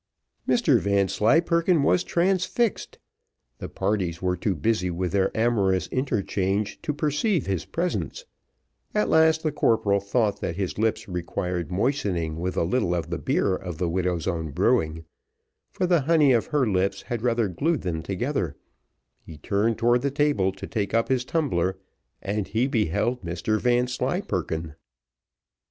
Mr Vanslyperken was transfixed the parties were too busy with their amorous interchange to perceive his presence; at last the corporal thought that his lips required moistening with a little of the beer of the widow's own brewing, for the honey of her lips had rather glued them together he turned towards the table to take up his tumbler, and he beheld Mr Vanslyperken.